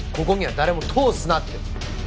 ここには誰も通すなって。